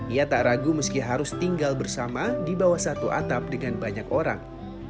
ia tak ragu meski harus tinggal bersama di bawah satu atap dengan banyak orang